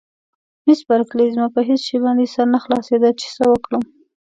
مس بارکلي: زما په هېڅ شي باندې سر نه خلاصېده چې څه وکړم.